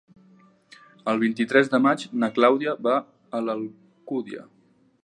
El vint-i-tres de maig na Clàudia va a l'Alcúdia.